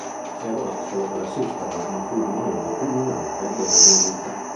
Ero là solo per assisterlo, ma fu il momento culminante della mia vita.